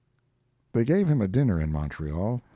They gave him a dinner in Montreal.